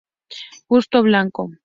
Justo Blanco.